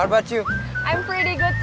saya cukup baik terima kasih